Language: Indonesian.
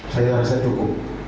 saya rasa cukup